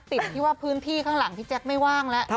ติดที่ว่าพื้นที่ข้างหลังพี่แจ๊คไม่ว่างแล้ว